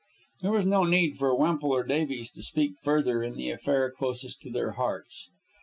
There was no need for Wemple or Davies to speak further in the affair closest to their hearts.